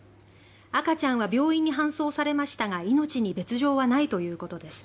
赤ちゃんは病院に搬送されましたが命に別条はないということです。